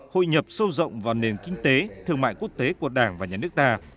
hội nhập sâu rộng vào nền kinh tế thương mại quốc tế của đảng và nhà nước ta